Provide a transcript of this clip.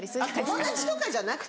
友達とかじゃなくてね。